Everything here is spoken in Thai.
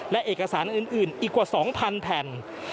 และเอกสารอื่นอีกกว่า๒๐๐แผ่น